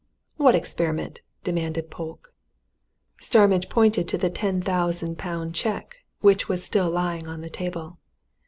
"What experiment?" demanded Polke. Starmidge pointed to the ten thousand pound cheque, which was still lying on the table.